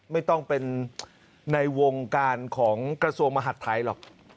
ไม่ต้องเป็นในวงการของกระทรวงมหัฐไทยหรอก